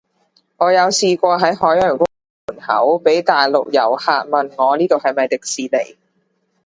我有試過喺海洋公園門口，被大陸遊客問我呢度係咪迪士尼